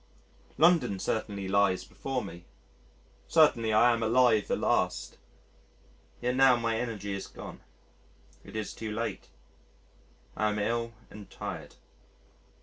London certainly lies before me. Certainly I am alive at last. Yet now my energy is gone. It is too late. I am ill and tired.